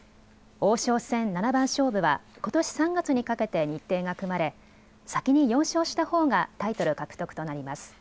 王将戦七番勝負はことし３月にかけて日程が組まれ先に４勝したほうがタイトル獲得となります。